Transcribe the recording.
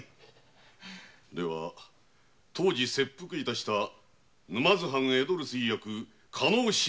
では当時切腹致した沼津藩江戸留守居役・加納信之丞のこともか？